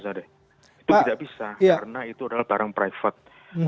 itu tidak bisa karena itu adalah barang private